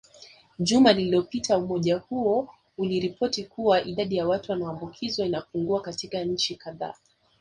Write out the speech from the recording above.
Juma lilopita umoja huo uliripoti kuwa idadi ya watu wanaoambukizwa inapungua katika nchi kadhaa